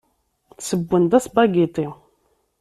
Ssewwen-d aspagiti.